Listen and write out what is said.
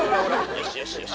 よしよしよし。